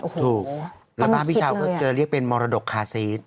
โอ้โหต้องคิดเลยแล้วบ้างพี่ชาวก็จะเรียกเป็นมรดกคาซิส